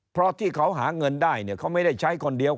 เพราะที่เขาหาเงินได้เนี่ยเขาไม่ได้ใช้คนเดียว